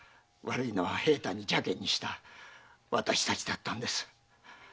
悪いのは平太に邪険にした私たちだったんです。